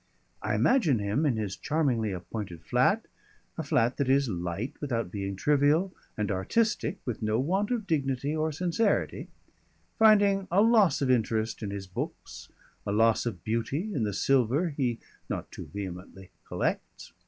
I imagine him in his charmingly appointed flat, a flat that is light without being trivial, and artistic with no want of dignity or sincerity, finding a loss of interest in his books, a loss of beauty in the silver he (not too vehemently) collects.